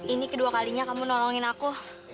ini kedua kalinya kamu nolongin aku